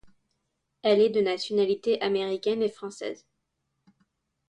Elle est de nationalités américaine et française.